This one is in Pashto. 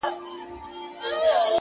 سم لكه ماهى يو سمندر تر ملا تړلى يم ـ